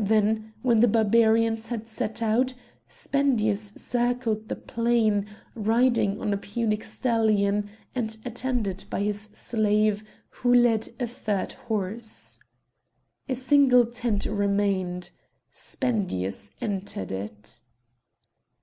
Then, when the Barbarians had set out, Spendius circled the plain, riding on a Punic stallion, and attended by his slave, who led a third horse. A single tent remained. Spendius entered it.